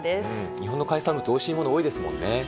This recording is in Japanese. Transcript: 日本の海産物おいしいもの多いですよね。